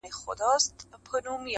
لا به تر څو د خپل ماشوم زړګي تسل کومه -